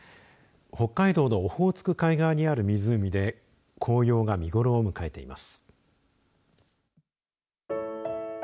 北海道のオホーツク海側にある湖で紅葉が見頃を迎えています。